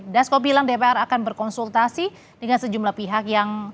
dasko bilang dpr akan berkonsultasi dengan sejumlah pihak yang